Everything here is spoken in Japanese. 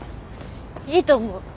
いいと思う。